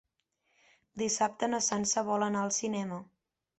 Dissabte na Sança vol anar al cinema.